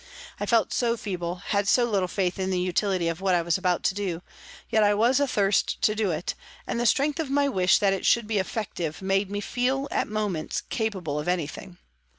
I felt so feeble, had so little faith in the utility of what I was about to do, yet I was athirst to do it, and the strength of my wish that it should be effective made me feel, at moments, capable of anything.